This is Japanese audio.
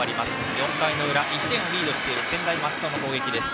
４回の裏、１点をリードしている専大松戸の攻撃です。